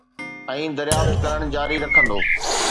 ۽ دريافت ڪرڻ جاري رکندو